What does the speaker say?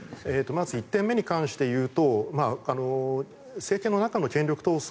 まず１点目に関して言うと政権の中の権力闘争。